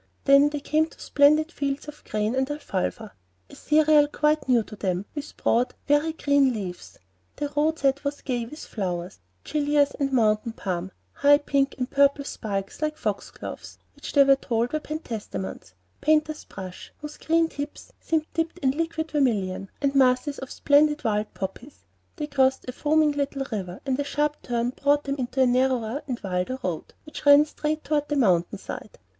Then they came to splendid fields of grain and "afalfa," a cereal quite new to them, with broad, very green leaves. The roadside was gay with flowers, gillias and mountain balm; high pink and purple spikes, like foxgloves, which they were told were pentstemons; painters' brush, whose green tips seemed dipped in liquid vermilion, and masses of the splendid wild poppies. They crossed a foaming little river; and a sharp turn brought them into a narrower and wilder road, which ran straight toward the mountain side.